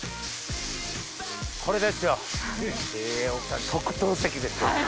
これですよ！